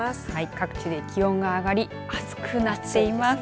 各地で気温が上がり暑くなっています。